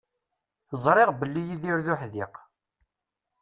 Ẓriɣ belli Yidir d uḥdiq.